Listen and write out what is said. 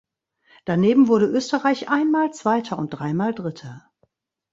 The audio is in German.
Daneben wurde Österreich einmal Zweiter und dreimal Dritter.